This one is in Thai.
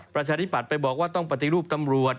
ประชาธิบัติไปบอกว่าต้องปฏิรูปตำรวจ